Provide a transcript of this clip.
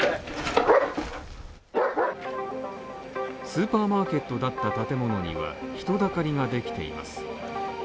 スーパーマーケットだった建物には人だかりができています。